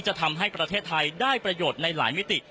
จะทำให้ประเทศไทยได้ประโยชน์ในหลายมิติ